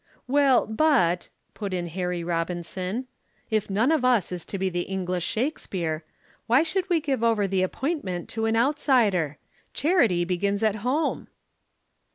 "Well, but," put in Harry Robinson, "if none of us is to be the English Shakespeare, why should we give over the appointment to an outsider? Charity begins at home."